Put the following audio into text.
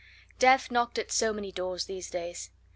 Death knocked at so many doors these days!